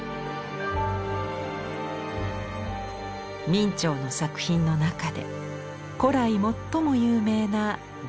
明兆の作品の中で古来最も有名な「大涅槃図」。